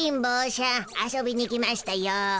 遊びに来ましたよ。